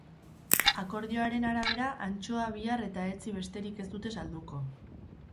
Akordioaren arabera, antxoa bihar eta etzi besterik ez dute salduko.